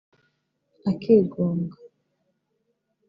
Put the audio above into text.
akigunga